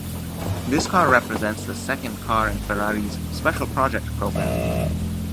This car represents the second car in Ferrari's Special Project program.